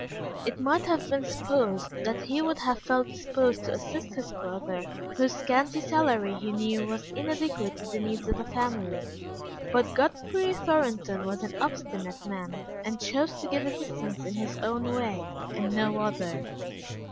It might have been supposed that he would have felt disposed to assist his brother, whose scanty salary he knew was inadequate to the needs of a family. But Godfrey Thornton was an obstinate man, and chose to give assistance in his own way, and no other.